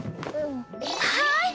はい！